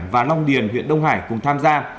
và long điền huyện đông hải cùng tham gia